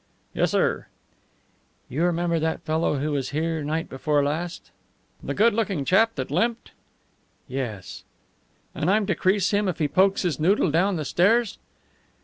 "Yes, sir." "You remember that fellow who was here night before last?" "The good looking chap that limped?" "Yes." "And I'm to crease him if he pokes his noodle down the stairs?"